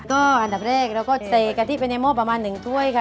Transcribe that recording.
ก็อันดับแรกเราก็เซกะทิไปในหม้อประมาณ๑ถ้วยค่ะ